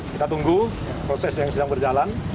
kita tunggu proses yang sedang berjalan